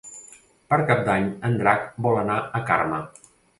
Per Cap d'Any en Drac vol anar a Carme.